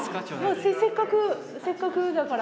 せっかくせっかくだから。